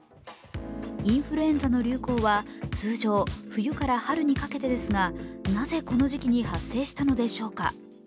インフルエンザの流行は、通常冬から春にかけてですが、なぜ、この時期に発生したのでしょうか。